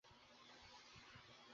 ওদিকে সরে যাও, ঠিক আছে?